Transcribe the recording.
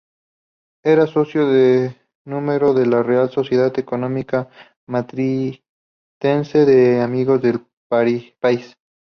Era socio de número de la Real Sociedad Económica Matritense de Amigos del País.